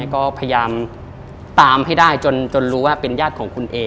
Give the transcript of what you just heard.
ก็พยายามตามให้ได้จนรู้ว่าเป็นญาติของคุณเอ